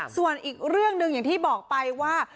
ส่วนอีกเรื่องหนึ่งอย่างที่บอกไปว่า